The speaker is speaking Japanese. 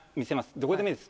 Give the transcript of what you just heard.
どこでもいいです